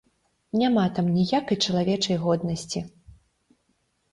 Няма там ніякай чалавечай годнасці!